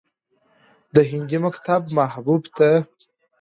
د هندي مکتب محبوب ته